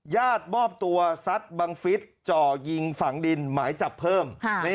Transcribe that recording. ญาติบอบตัวสัตว์บังฤษจ่อยิงฝังดินหมายจับเพิ่ม